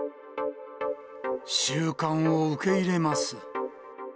収監を受け入れます。